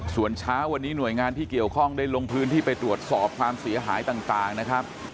ส่วนเช้าวันนี้หน่วยงานที่เกี่ยวข้องได้ลงพื้นที่ไปตรวจสอบความเสียหายต่างนะครับ